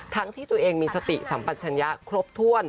ที่ตัวเองมีสติสัมปัชญะครบถ้วน